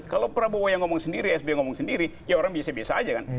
kalau prabowo yang ngomong sendiri sby ngomong sendiri ya orang biasa biasa aja kan